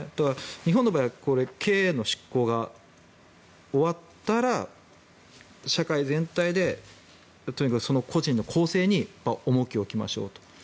日本の場合は刑の執行が終わったら社会全体でとにかく個人の更生に重きを置きましょうと。